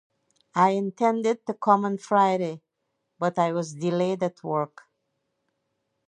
I intended to come on Friday, but I was delayed at work.